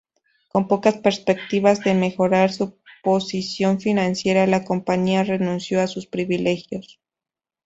Con pocas perspectivas de mejorar su posición financiera, la compañía renunció a sus privilegios.